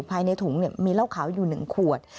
ภายในถุงมีเหล้าขาวอยู่๑ขวด